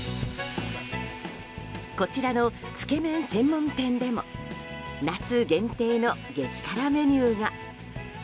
こちらのつけ麺専門店でも夏限定の激辛メニューが。